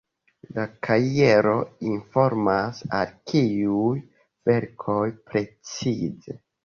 La kajero informas, el kiuj verkoj precize.